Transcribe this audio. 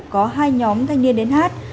có hai nhóm thanh niên đến hát